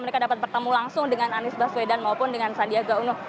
mereka dapat bertemu langsung dengan anies baswedan maupun dengan sandiaga uno